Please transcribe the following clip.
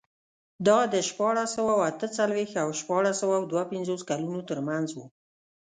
دا د شپاړس سوه اته څلوېښت او شپاړس سوه دوه پنځوس کلونو ترمنځ و.